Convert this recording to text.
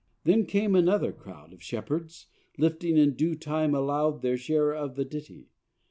Then came another crowd Of shepherds, lifting in due time aloud Their share of the ditty.